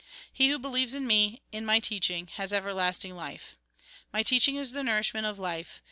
" He who believes in me (in my teaching) has everlasting life. " My teaching is the nourishment of life.